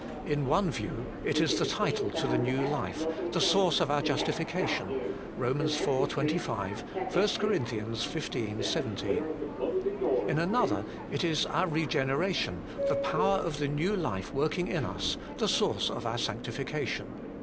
In one view, it Is the title to the new life, the source of our justification. (Rom. iu. 25 , 7 Cor. xu. 17.) In another it is our regeneration, the power of the new life working in us, the source of our sanctification.